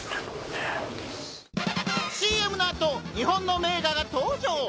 ＣＭのアト日本の名画が登場！